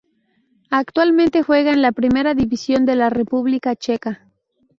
Actualmente juega en la Primera División de la República Checa.